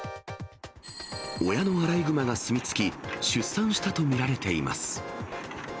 親のアライグマが住み着き、出産したと見られています。